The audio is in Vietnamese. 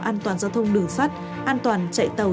an toàn giao thông đường sắt an toàn chạy tàu